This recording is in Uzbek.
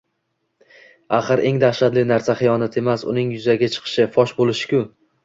Axir eng dahshatli narsa xiyonat emas, uning yuzaga chiqishi, fosh bo`lishi-ku